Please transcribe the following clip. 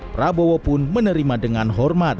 prabowo pun menerima dengan hormat